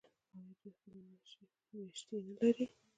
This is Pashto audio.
آیا دوی خپلې میاشتې نلري؟